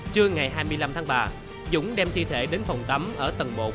trưa ngày hai mươi năm tháng ba dũng đem thi thể đến phòng tắm ở tầng một